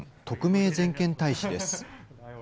特命全権大使です。